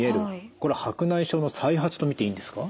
これ白内障の再発と見ていいんですか？